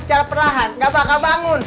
secara perlahan nggak bakal bangun